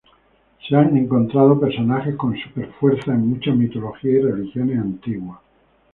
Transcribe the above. Se han encontrado personajes con super fuerza en muchas mitologías y religiones antiguas.